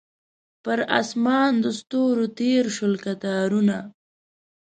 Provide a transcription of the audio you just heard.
پر اسمان د ستورو تیر شول کتارونه